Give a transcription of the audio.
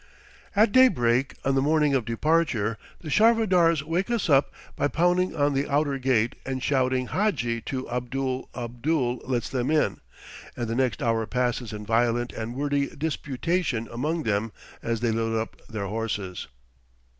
At daybreak on the morning of departure the charvadars wake us up by pounding on the outer gate and shouting "hadji" to Abdul Abdul lets them in, and the next hour passes in violent and wordy disputation among them as they load up their horses.